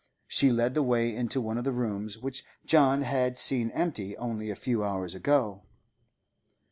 She led the way into one of the rooms which John had seen empty only a few hours ago.